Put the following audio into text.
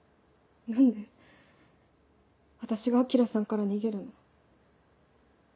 何で私が彰さんから逃げるの？